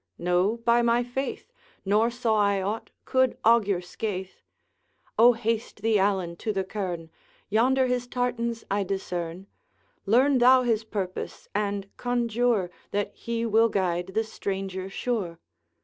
'No, by my faith! Nor saw I aught could augur scathe.' 'O haste thee, Allan, to the kern: Yonder his tartars I discern; Learn thou his purpose, and conjure That he will guide the stranger sure!